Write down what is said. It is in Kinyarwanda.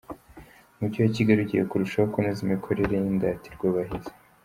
Umujyi wa Kigali ugiye kurushaho kunoza imikorere y’indatirwabahizi